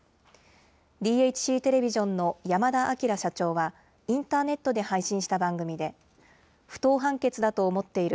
ＤＨＣテレビジョンの山田晃社長は、インターネットで配信した番組で、不当判決だと思っている。